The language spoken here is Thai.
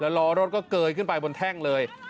ล้อรถก็เกยขึ้นไปบนแท่งเลย